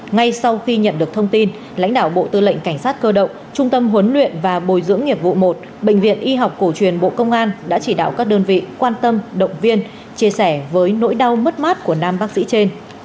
ngay sau khi nhận được thông tin lãnh đạo bộ tư lệnh cảnh sát cơ động trung tâm huấn luyện và bồi dưỡng nghiệp vụ một bệnh viện y học cổ truyền bộ công an đã chỉ đạo các đơn vị quan tâm động viên chia sẻ với nỗi đau mất mát của nam bác sĩ trên